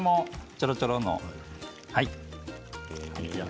ちょろちょろの。